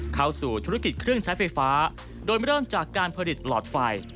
เข้าสู่ธุรกิจเครื่องใช้ไฟฟ้าโดยเริ่มจากการผลิตหลอดไฟ